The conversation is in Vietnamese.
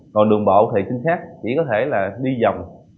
còn đường bộ thì trinh sát chỉ có thể là đi vòng